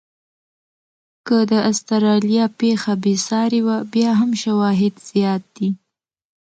که د استرالیا پېښه بې ساري وه، بیا هم شواهد زیات دي.